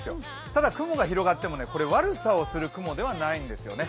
ただ、雲が広がってもこれ、悪さをする雲ではないんですよね。